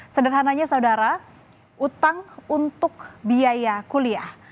sederhananya saudara utang untuk biaya kuliah